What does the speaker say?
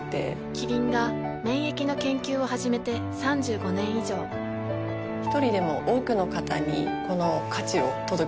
キリンが免疫の研究を始めて３５年以上一人でも多くの方にこの価値を届けていきたいと思っています。